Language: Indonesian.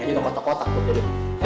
ini kok kotak kotak tuh